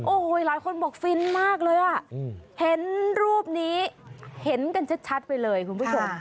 โอ้โหหลายคนบอกฟินมากเลยอ่ะเห็นรูปนี้เห็นกันชัดไปเลยคุณผู้ชม